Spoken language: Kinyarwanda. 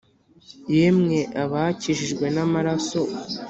yemwe abakijijwe n'amaraso.